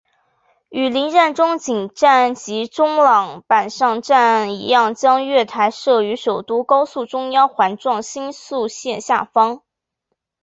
与邻站中井站及中野坂上站一样将月台设于首都高速中央环状新宿线下方。